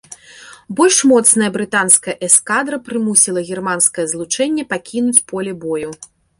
Больш моцная брытанская эскадра прымусіла германскае злучэнне пакінуць поле бою.